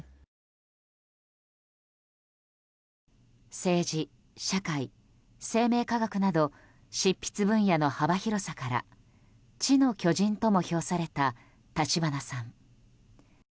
政治、社会、生命科学など執筆分野の幅広さから知の巨人とも評された立花さん。